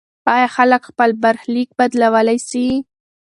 آیا خلک خپل برخلیک بدلولی سي؟